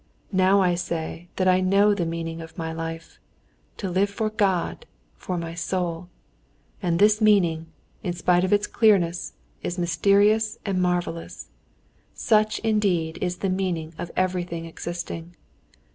Now I say that I know the meaning of my life: 'To live for God, for my soul.' And this meaning, in spite of its clearness, is mysterious and marvelous. Such, indeed, is the meaning of everything existing.